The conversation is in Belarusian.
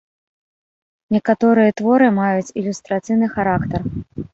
Некаторыя творы маюць ілюстрацыйны характар.